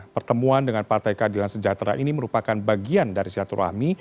pertemuan dengan partai keadilan sejahtera ini merupakan bagian dari silaturahmi